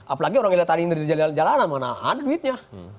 apalagi orang yang lihat hari ini dari jalanan mana ada duitnya